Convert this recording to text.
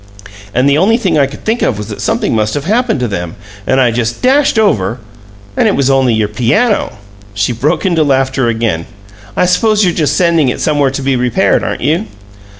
"And the only thing I could think of was that something must have happened to them, and I just dashed over and it was only your PIANO!" She broke into laughter again. "I suppose you're just sending it somewhere to be repaired, aren't you?"